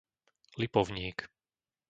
Lipovník